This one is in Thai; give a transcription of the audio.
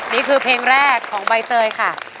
นี่คือเพลงแรกของใบเตยค่ะ